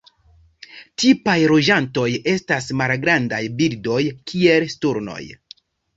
Tipaj loĝantoj estas malgrandaj birdoj kiel sturnoj.